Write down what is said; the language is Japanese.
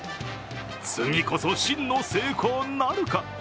次こそ真の成功なるか。